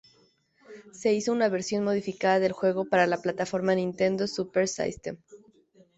Se hizo una versión modificada del juego para la plataforma Nintendo Super System.